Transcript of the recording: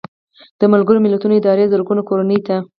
د ملګرو ملتونو ادارو زرګونو کورنیو ته